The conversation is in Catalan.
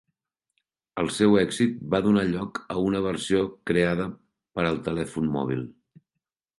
El seu èxit va donar lloc a una versió creada per al telèfon mòbil.